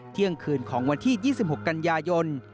เที่ยงคืนของวันที่๒๖กันยายน